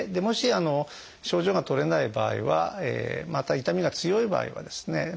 もし症状が取れない場合はまた痛みが強い場合はですね